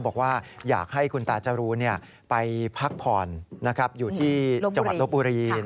บอกว่าอยากให้คุณตาจรูนไปพักผ่อนอยู่ที่จังหวัดลบบุรี